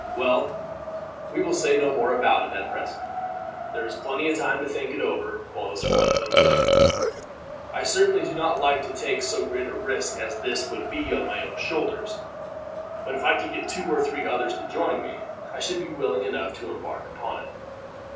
"Well, we will say no more about it, at present. There is plenty of time to think it over, while the Swan is unloading. I certainly do not like to take so great a risk as this would be on my own shoulders; but if I could get two or three others to join me, I should be willing enough to embark upon it."